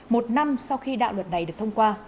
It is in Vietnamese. một năm sau khi đạo luật này được thông qua